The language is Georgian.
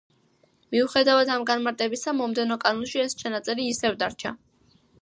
მიუხედავად ამ განმარტებისა, მომდევნო კანონში ეს ჩანაწერი ისევ დარჩა.